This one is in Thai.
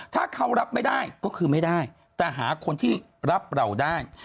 ถ้าเขารับไม่ได้ก็คือไม่ได้แต่หาคนที่รับเราได้